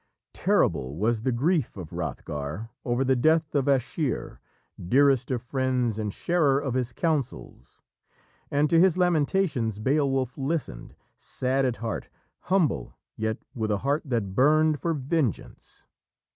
Terrible was the grief of Hrothgar over the death of Aschere, dearest of friends and sharer of his councils. And to his lamentations Beowulf listened, sad at heart, humble, yet with a heart that burned for vengeance.